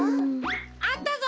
あったぞ！